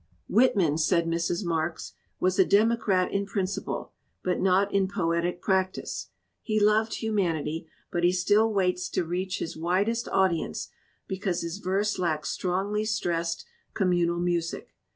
"Whitman," said Mrs. Marks, "was a demo crat in principle, but not in poetic practice. He loved humanity, but he still waits to reach his widest audience because his verse lacks strongly stressed, communal music.